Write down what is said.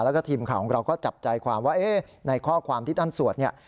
แล้วก็ทีมข่าวของเราก็จับใจความว่าเอ๊ะในข้อความที่ท่านสวดเนี่ย